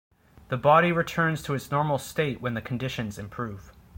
The body returns to its normal state when conditions improve.